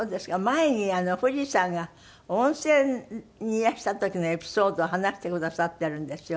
前に藤さんが温泉にいらした時のエピソードを話してくださってるんですよね。